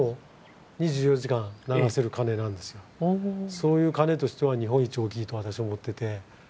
そういう鐘としては日本一大きいと私は思ってて。